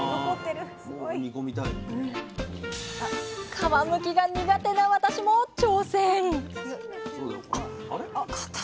皮むきが苦手な私も挑戦！